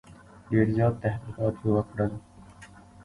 ډېر زیات تحقیقات یې وکړل.